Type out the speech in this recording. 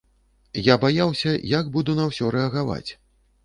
Я баяўся, як буду на ўсё рэагаваць.